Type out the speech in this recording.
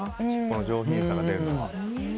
この上品さが出るのは。